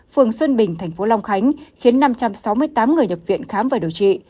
phường xuân bình tp long khánh khiến năm trăm sáu mươi tám người nhập viện khám và điều trị